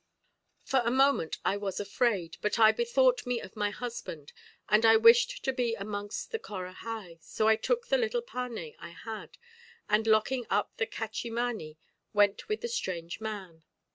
For a moment I was afraid, but I bethought me of my husband, and I wished to be amongst the Corahai; so I took the little parné I had, and locking up the cachimani, went with the strange man.